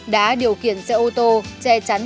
đã điều khiển xe ô tô che chắn